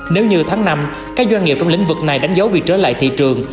nếu như tháng năm các doanh nghiệp trong lĩnh vực này đánh dấu việc trở lại thị trường